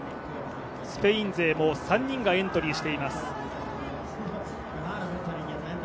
スペイン勢も３人がエントリーしています。